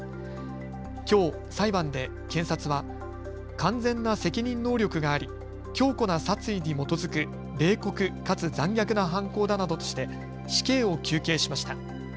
きょう裁判で検察は完全な責任能力があり強固な殺意に基づく冷酷かつ残虐な犯行だなどとして死刑を求刑しました。